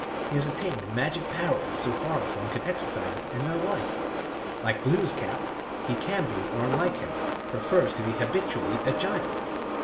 He has attained magic power so far as one can exercise it in this life. Like Glooskap he can be, or unlike him prefers to be habitually, a giant.